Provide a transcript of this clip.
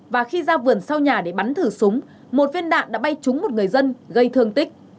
và khi ra vườn sau nhà để bắn thử súng một viên đạn đã bay trúng một người dân gây thương tích